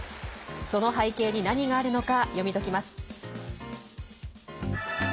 その背景に何があるのか読み解きます。